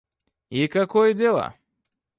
И какое дело...